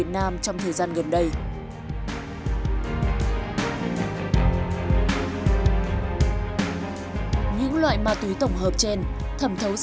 khách hàng của những loại mặt đối tổng hợp nêu trên